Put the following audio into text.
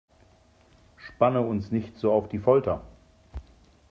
Spanne uns nicht so auf die Folter!